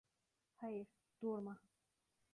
Hayır, durma.